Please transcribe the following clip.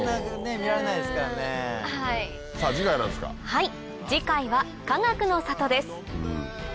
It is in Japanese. はい次回はかがくの里です。